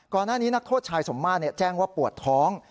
ก่อนหน้านี้นักโทษชายสมมาตรแจ้งว่าปวดท้อง